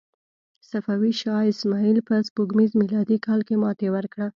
صفوي شاه اسماعیل په سپوږمیز میلادي کال کې ماتې ورکړه.